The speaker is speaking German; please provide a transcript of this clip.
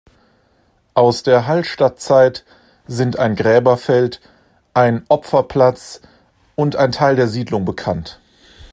Aus der Hallstattzeit sind ein Gräberfeld, ein Opferplatz und ein Teil der Siedlung bekannt.